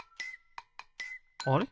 あれ？